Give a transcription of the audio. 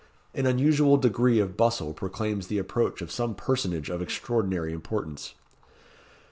An unusual degree of bustle proclaims the approach of some personage of extraordinary importance.